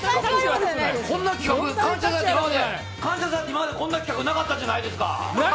「感謝祭」って今までこんな企画、なかったじゃないですか。